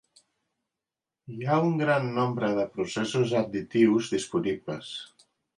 Hi ha un gran nombre de processos additius disponibles.